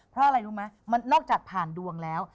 เพราะอะไรรู้ไหมมันนอกจากผ่านดวงแล้ว